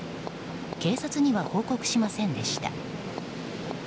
警察には報告しませんでした。